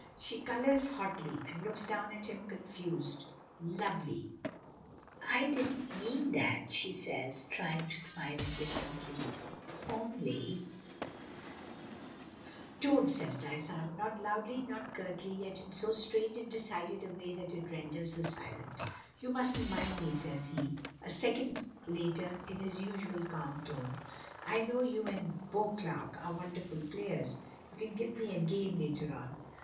She colors hotly, and looks down at him confused, lovely. "I didn't mean that!" says she, trying to smile indifferently, "Only " "Don't!" says Dysart, not loudly, not curtly, yet in so strange and decided a way that it renders her silent. "You mustn't mind me," says he, a second later, in his usual calm tone. "I know you and Beauclerk are wonderful players. You can give me a game later on."